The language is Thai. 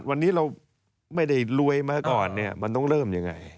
วันนี้เราไม่ได้รวยมาก่อนเนี่ยมันต้องเริ่มยังไง